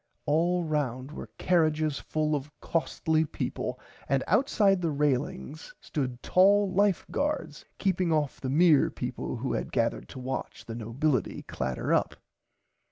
All round were carrages full of costly peaple and outside the railings stood tall Life Guards keeping off the mere peaple who had gathered to watch the nobility clatter up.